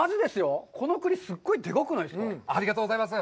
ありがとうございます！